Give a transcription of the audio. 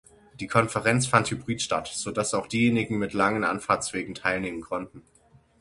Die Konferenz fand hybrid statt, so dass auch diejenigen mit langen Anfahrtwegen teilnehmen konnten.